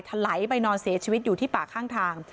ถลายไปนอนเสียชีวิตอยู่ที่ป่าข้างทาง